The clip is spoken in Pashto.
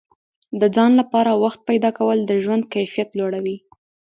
د ځان لپاره وخت پیدا کول د ژوند کیفیت لوړوي.